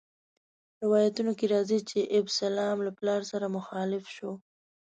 روایتونو کې راځي چې ابسلام له پلار سره مخالف شو.